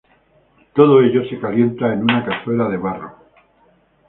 Todo ello en una cazuela de barro se calienta.